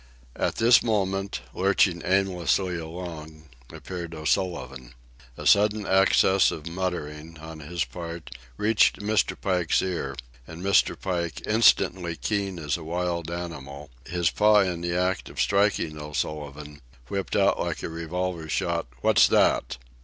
At this moment, lurching aimlessly along, appeared O'Sullivan. A sudden access of muttering, on his part, reached Mr. Pike's ear, and Mr. Pike, instantly keen as a wild animal, his paw in the act of striking O'Sullivan, whipped out like a revolver shot, "What's that?"